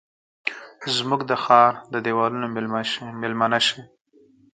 زموږ د ښارد دیوالونو میلمنه شي